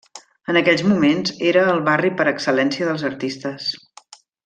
En aquells moments, era el barri per excel·lència dels artistes.